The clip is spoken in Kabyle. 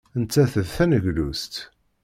Nettat d taneglust.